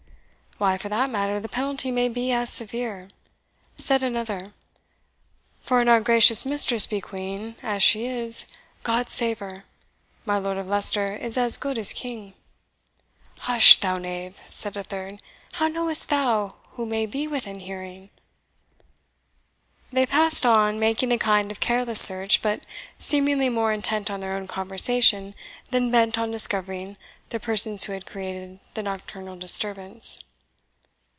"Why, for that matter, the penalty may be as severe," said another "for an our gracious Mistress be Queen, as she is, God save her, my Lord of Leicester is as good as King." "Hush, thou knave!" said a third; "how knowest thou who may be within hearing?" They passed on, making a kind of careless search, but seemingly more intent on their own conversation than bent on discovering the persons who had created the nocturnal disturbance.